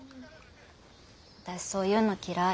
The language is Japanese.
私そういうの嫌い。